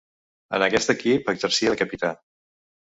En aquest equip exercia de capità.